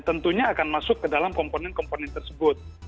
tentunya akan masuk ke dalam komponen komponen tersebut